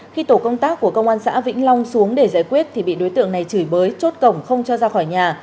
khi tổ công tác của công an xã vĩnh long xuống để giải quyết thì bị đối tượng này chửi bới chốt cổng không cho ra khỏi nhà